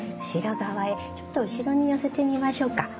後ろ側へちょっと後ろに寄せてみましょうか。